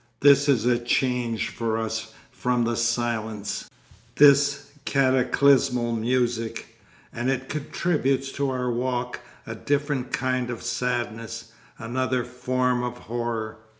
This is a change for us from the silence, this cataclysmal music, and it contributes to our walk a different kind of sadness, another form of horror.